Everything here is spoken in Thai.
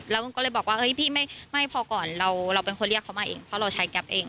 แล้วก็เลยบอกว่าพี่ไม่พอก่อนเราเป็นคนเรียกเขามาเองเพราะเราใช้แก๊ปเอง